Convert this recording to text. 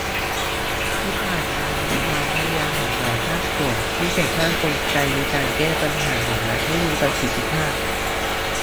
ที่ผ่านมามีความพยายามของหลายภาคส่วน ที่จะสร้างกลไกการแก้ปัญหาของรัฐให้มีประสิทธิภาพ